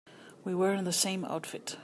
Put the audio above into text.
We were in the same outfit.